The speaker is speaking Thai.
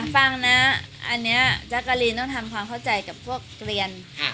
ฟังนะอันนี้แจ๊กกะลีนต้องทำความเข้าใจกับพวกเกลียน